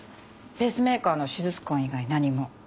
ペースメーカーの手術痕以外何も。